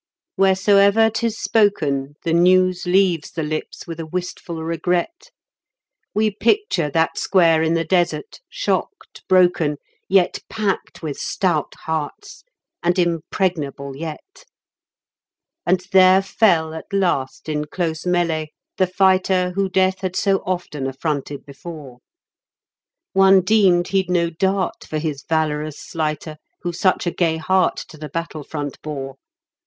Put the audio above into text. Wheresoever 'tis spoken The news leaves the lips with a wistful regret We picture that square in the desert, shocked, broken, Yet packed with stout hearts, and impregnable yet And there fell, at last, in close melee, the fighter Who Death had so often affronted before; One deemed he'd no dart for his valorous slighter Who such a gay heart to the battle front bore.